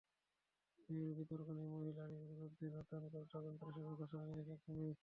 Email বিতর্ক নিয়ে হিলারির বিরুদ্ধে নতুন করে তদন্ত শুরুর ঘোষণা দিয়েছেন কোমি।